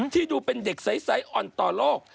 ที่ดูเป็นเด็กใสอ่อนต่อโลก